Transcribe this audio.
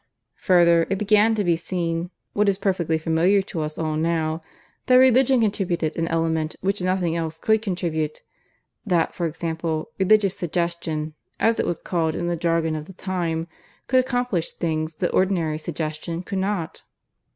Further, it began to be seen (what is perfectly familiar to us all now) that Religion contributed an element which nothing else could contribute that, for example, 'Religious Suggestion,' as it was called in the jargon of the time, could accomplish things that ordinary 'Suggestion' could not.